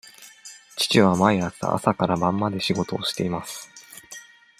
父は毎日朝から晩まで仕事をしています。